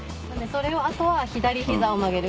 それをあとは左膝を曲げる。